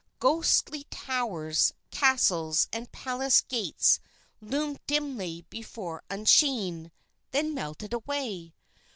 Ghostly towers, castles, and palace gates loomed dimly before Usheen, then melted away.